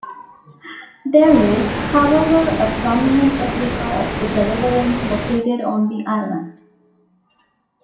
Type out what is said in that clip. There is, however, a prominent replica of the "Deliverance" located on the island.